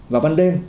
vào ban đêm